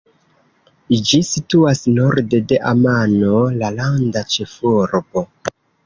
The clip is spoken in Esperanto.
Ĝi situas norde de Amano, la landa ĉefurbo.